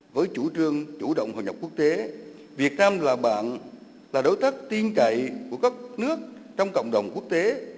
với chủ trương chủ động hội nhập quốc tế việt nam là bạn là đối tác tiên cậy của các nước trong cộng đồng quốc tế